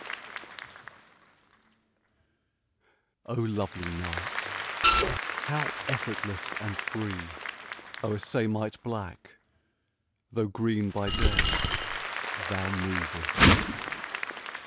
Oh lovely night I how effortless and free O'er samite black â though green by day â thou movest